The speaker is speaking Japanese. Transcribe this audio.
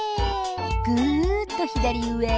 グっと左上。